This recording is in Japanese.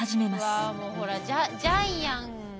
うわもうほらジャイアン。